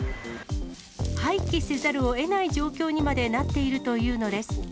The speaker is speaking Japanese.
廃棄せざるをえない状況にまでなっているというのです。